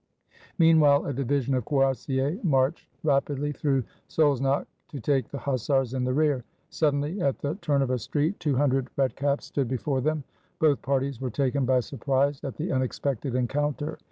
Meanwhile a division of cuirassiers marched rapidly through Szolnok to take the hussars in the rear. Suddenly, at the turn of a street, two hundred red 354 AFTER THE BATTLE OF SZOLNOK caps stood before them. Both parties were taken by sur prise at the unexpected encounter.